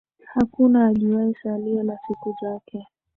Hakuna ajuaye, salio la siku zake.